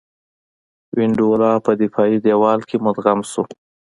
وینډولا په دفاعي دېوال کې مدغم شو.